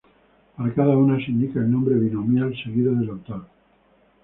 Para cada una se indica el nombre binomial seguido del autor.